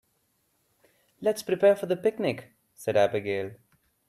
"Let's prepare for the picnic!", said Abigail.